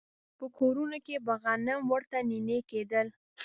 په کورونو کې به غنم ورته نينې کېدل.